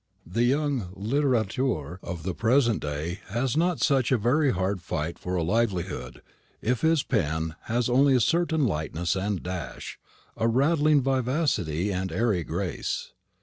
The young littérateur of the present day has not such a very hard fight for a livelihood, if his pen has only a certain lightness and dash, a rattling vivacity and airy grace.